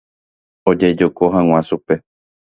Ojejoko hag̃ua chupe.